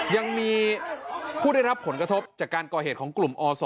ยังมีผู้ได้รับผลกระทบจากการก่อเหตุของกลุ่มอศ